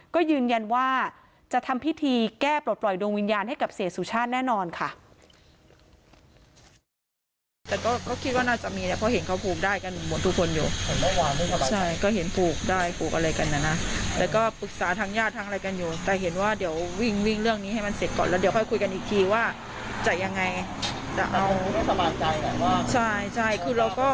ก็ยืนยันว่าจะทำพิธีแก้ปลดปล่อยดวงวิญญาณให้กับเสียสุชาติแน่นอนค่ะ